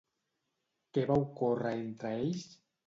Què va ocórrer entre ells?